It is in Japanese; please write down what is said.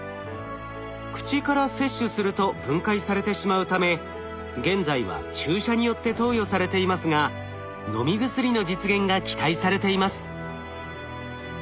口から摂取すると分解されてしまうため現在は注射によって投与されていますが飲み薬の実現が期待されています。